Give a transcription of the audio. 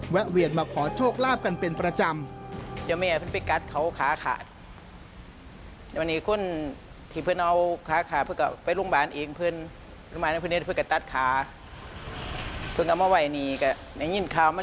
เวียนมาขอโชคลาภกันเป็นประจำ